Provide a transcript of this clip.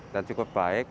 dan cukup baik